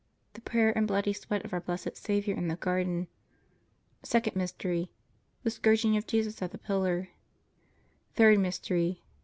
The Prayer and Bloody Sweat of our blessed Saviour in the Garden. Second Mystery. The Scourging of Jesus at the Pillar. Third Mystery.